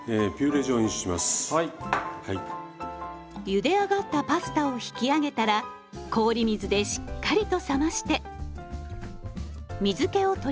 ゆで上がったパスタを引き上げたら氷水でしっかりと冷まして水けを取ります。